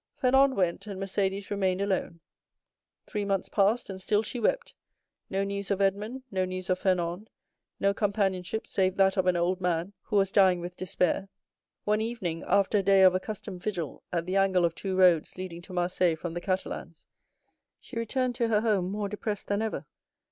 Fernand went, and Mercédès remained alone. "Three months passed and still she wept—no news of Edmond, no news of Fernand, no companionship save that of an old man who was dying with despair. One evening, after a day of accustomed vigil at the angle of two roads leading to Marseilles from the Catalans, she returned to her home more depressed than ever.